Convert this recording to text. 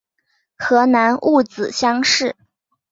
河南戊子乡试。